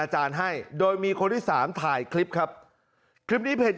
ด้วยไม่มีคนที่สามถ่ายคลิปคลิปที่ผมอยากวง